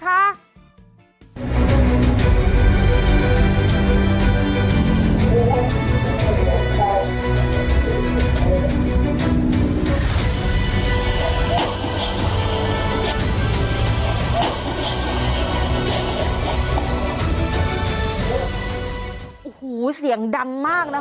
วันนี้จะเป็นวันนี้